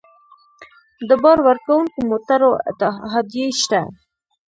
د بار وړونکو موټرو اتحادیې شته